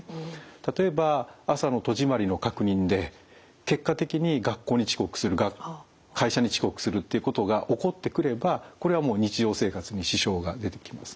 例えば朝の戸締まりの確認で結果的に学校に遅刻する会社に遅刻するっていうことが起こってくればこれはもう日常生活に支障が出てきますね。